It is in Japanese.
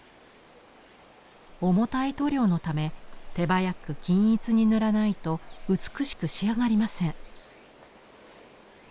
重たい塗料のため手早く均一に塗らないと美しく仕上がりません。